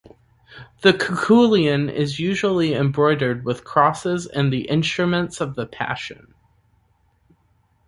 The koukoulion is usually embroidered with crosses and the Instruments of the Passion.